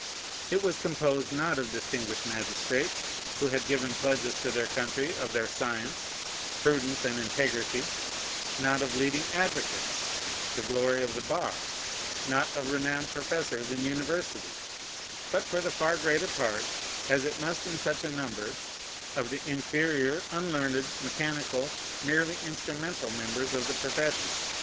It was composed, not of distinguished magistrates, who had given pledges to their country of their science, prudence, and integrity, not of leading advocates, the glory of the bar, not of renowned professors in universities, but for the far greater part, as it must in such a number, of the inferior, unlearned, mechanical, merely instrumental members of the profession.